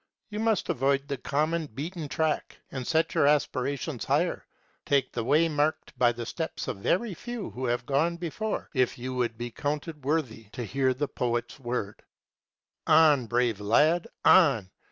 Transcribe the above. You must avoid the common beaten track and set your aspirations higher; take the way marked by the steps of very few who have gone before, if you would be counted worthy to hear the Poet's word "On, brave lad, on!